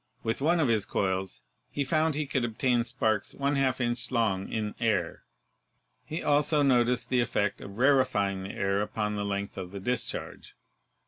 With one of his coils he found he could obtain sparks y 2 inch long in air. He also noticed the effect of rarefying the air upon the length of the dis charge.